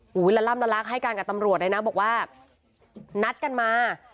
โอ้โหละล่ำละลักให้การกับตำรวจเลยนะบอกว่านัดกันมา